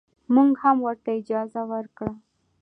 موږ هم ورته اجازه ورکړه.